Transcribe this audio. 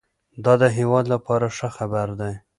دا د هېواد لپاره ښه خبر دی